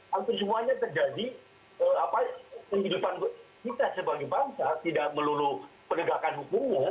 hampir semuanya terjadi kehidupan kita sebagai bangsa tidak melulu penegakan hukumnya